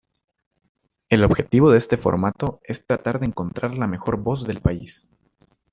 El objetivo de este formato es tratar de encontrar la mejor voz del país.